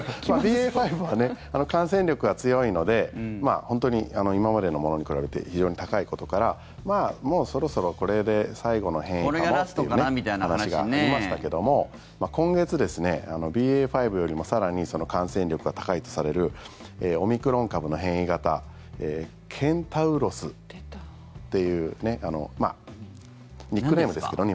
ＢＡ．５は感染力が強いので本当に今までのものに比べて非常に高いことからもうそろそろこれで最後の変異かもという話がありましたけども今月、ＢＡ．５よりも更に感染力が高いとされるオミクロン株の変異型ケンタウロスっていうニックネームですけどね